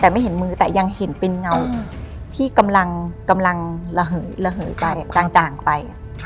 แต่ไม่เห็นมือแต่ยังเห็นเป็นเงาที่กำลังระเหยไปจ่างไป